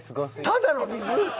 ただの水！？